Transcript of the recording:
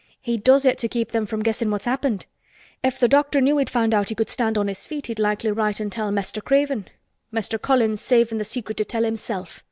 "He does it to keep them from guessin' what's happened. If the doctor knew he'd found out he could stand on his feet he'd likely write and tell Mester Craven. Mester Colin's savin' th' secret to tell himself.